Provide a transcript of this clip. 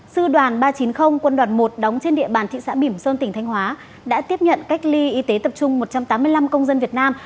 sư đoàn ba trăm chín mươi quân đoàn một đóng trên địa bàn thị xã bỉm sơn tỉnh thanh hóa đã tiếp nhận cách ly y tế tập trung một trăm tám mươi năm công dân việt nam